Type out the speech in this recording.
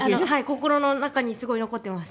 心の中にすごい残ってます。